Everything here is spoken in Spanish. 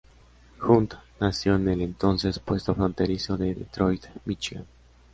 Hunt nació en el entonces puesto fronterizo de Detroit, Míchigan.